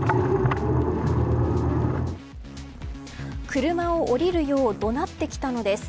車を降りるよう怒鳴ってきたのです。